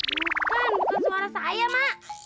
bukan bukan suara saya ma